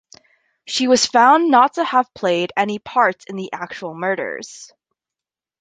She was found not to have played any part in the actual murders.